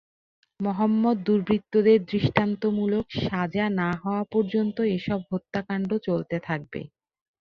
মোহাম্মদ দুর্বৃত্তদের দৃষ্টান্তমূলক সাজা না হওয়া পর্যন্ত এসব হত্যাকাণ্ড চলতে থাকবে।